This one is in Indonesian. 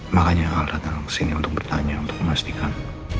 makanya al datang kesini untuk bertanya untuk memastikan